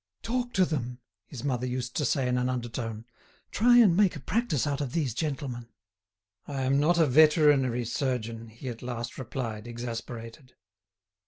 "Talk to them," his mother used to say in an undertone; "try and make a practice out of these gentlemen." "I am not a veterinary surgeon," he at last replied, exasperated.